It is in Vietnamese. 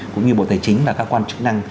cũng như bộ tài chính và các quan chức năng